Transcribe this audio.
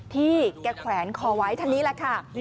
ที่แกแขวนคอไว้ท่านนี้แหละค่ะ